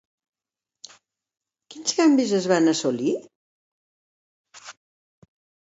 Quins canvis es van assolir?